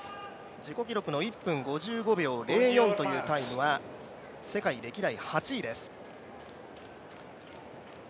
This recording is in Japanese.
自己記録の１分５５秒０４というタイムは、世界歴代８位です。